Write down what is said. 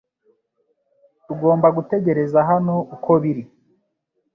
Tugomba gutegereza hano uko biri